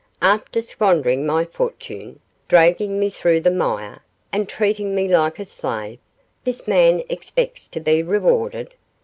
After squandering my fortune, dragging me through the mire, and treating me like a slave, this man expects to be rewarded.